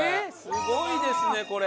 すごいですねこれ！